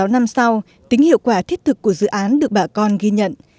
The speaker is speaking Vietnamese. một mươi sáu năm sau tính hiệu quả thiết thực của dự án được bà con ghi nhận